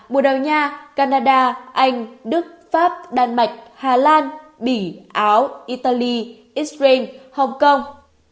bồ đào nha canada anh đức pháp đan mạch hà lan bỉ áo italy israel hong kong